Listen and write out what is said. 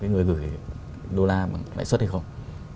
người gửi đô la bằng lãi suất hay không